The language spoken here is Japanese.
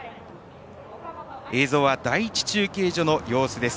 映像は第１中継所の様子です。